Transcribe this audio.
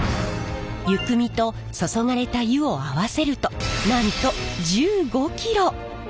湯汲みと注がれた湯を合わせるとなんと１５ｋｇ！